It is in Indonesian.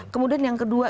kemudian yang kedua